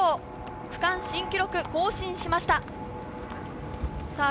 区間新記録を更新しました。